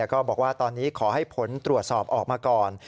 ก็บอกว่าตอนนี้ขอให้ผลตรวจสอบออกมาก่อน